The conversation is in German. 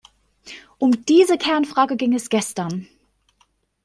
Um diese Kernfrage ging es gestern.